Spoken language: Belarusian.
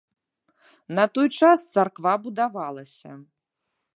На той час царква будавалася.